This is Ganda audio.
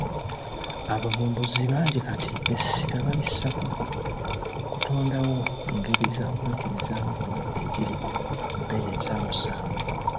Abavumbuzi bangi kati essira balissa ku kutondawo ngeri za kwekebezaamu bulwadde eziri ku bbeeyi ensaamusaamu.